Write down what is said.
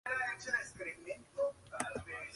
Es la capital de Kenia.